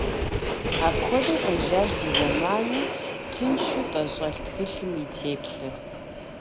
Апхуэдэу къежьащ ди зэманым тыншу тӏэщӏэлъ тхылъым и теплъэр.